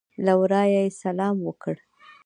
له ورایه یې سلام وکړ.